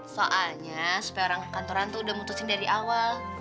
soalnya supaya orang kantoran tuh udah mutusin dari awal